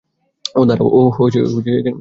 ওহ, দাঁড়াও।